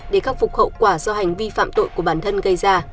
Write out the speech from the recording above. để khắc phục hậu quả do hành vi phạm tội của bản thân gây ra